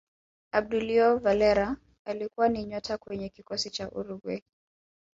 obdulio valera alikuwa ni nyota kwenye kikosi cha Uruguay